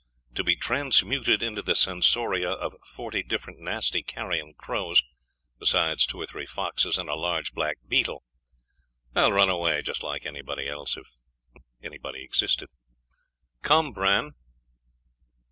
To be transmuted into the sensoria of forty different nasty carrion crows, besides two or three foxes, and a large black beetle! I'll run away, just like anybody else.... if anybody existed. Come, Bran!